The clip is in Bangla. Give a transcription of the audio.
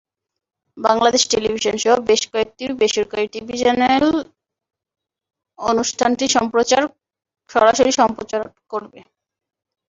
বাংলাদেশ টেলিভিশনসহ বেশ কয়েকটি বেসরকারি টেলিভিশন চ্যানেল অনুষ্ঠানটি সরাসরি সম্প্রচার করবে।